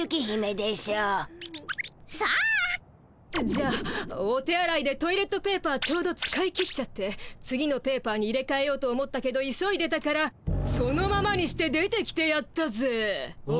じゃあお手あらいでトイレットペーパーちょうど使い切っちゃって次のペーパーに入れかえようと思ったけど急いでたからそのままにして出てきてやったぜ。